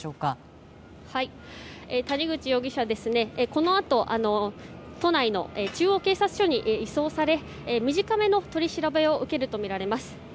このあと都内の中央警察署に移送され、短めの取り調べを受けるとみられます。